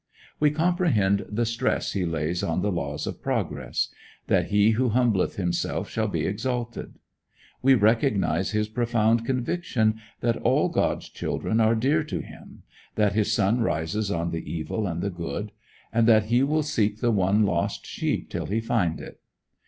We comprehend the stress he lays on the laws of progress, that he who humbleth himself shall be exalted. We recognize his profound conviction that all God's children are dear to him, that his sun shines on the evil and the good, and that he will seek the one lost sheep till he find it.